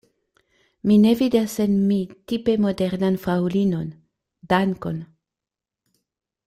Mi ne vidas en mi tipe modernan fraŭlinon; dankon!